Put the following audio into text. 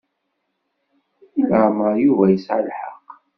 I lemmer Yuba yesɛa lḥeq?